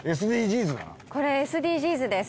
これＳＤＧｓです！